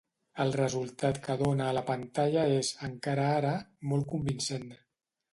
El resultat que dóna a la pantalla és, encara ara, molt convincent.